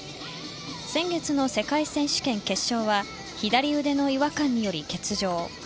先月の世界選手権決勝は左腕の違和感により欠場。